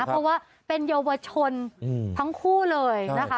เพราะว่าเป็นเยาวชนทั้งคู่เลยนะคะ